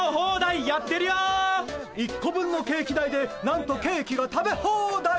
１個分のケーキ代でなんとケーキが食べホーダイ！